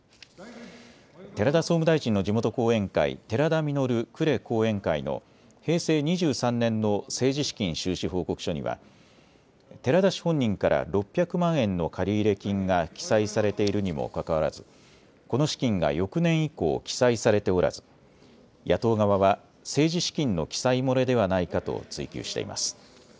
寺田総務大臣の地元後援会、寺田稔呉後援会の平成２３年の政治資金収支報告書には寺田氏本人から６００万円の借入金が記載されているにもかかわらずこの資金が翌年以降、記載されておらず野党側は政治資金の記載漏れではないかと追及しています。